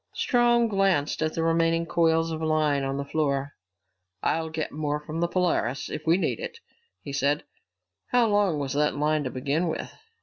Strong glanced at the remaining coils of line on the floor. "I'll get more from the Polaris, if we need it," he said. "How long was that line to begin with?"